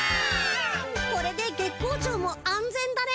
これで月光町も安全だね。